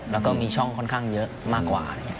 แล้วก็มีช่องค่อนข้างเยอะมากกว่า